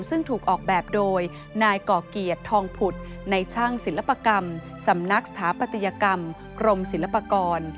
ซึ่งถูกออกแบบโดยนายก่อเกียรติทองผุดในช่างศิลปกรรมสำนักสถาปัตยกรรมกรมศิลปากร